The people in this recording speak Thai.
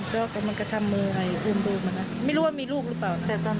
ก็คือขรมศกับไมหวุ่น